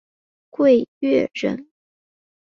桂萼人。